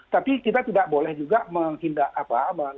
tapi kita tidak boleh juga menghindar apa